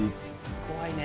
怖いね。